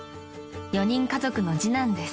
［４人家族の次男です］